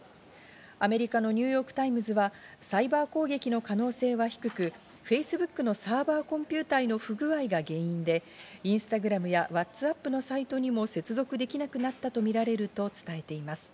アメリカのニューヨークタイムズはサイバー攻撃の可能性は低くフェイスブックのサーバーコンピューターの不具合が原因でインスタグラムやワッツアップのサイトにも接続できなくなったとみられると伝えています。